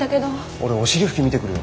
俺お尻拭き見てくるわ。